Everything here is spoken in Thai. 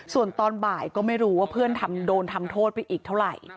ส่วนตอนบ่ายก็ไม่รู้ว่าเพื่อนโดนทำโทษไปอีกเท่าไหร่